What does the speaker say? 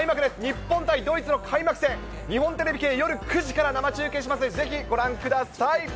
日本対ドイツの開幕戦、日本テレビ系夜９時から生中継しますので、ぜひ、ご覧ください。